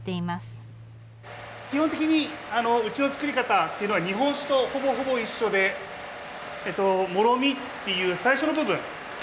基本的にうちの造り方っていうのは日本酒とほぼほぼ一緒でモロミっていう最初の部分。